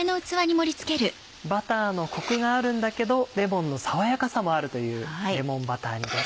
バターのコクがあるんだけどレモンの爽やかさもあるというレモンバター煮です。